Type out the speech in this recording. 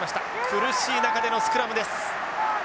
苦しい中でのスクラムです。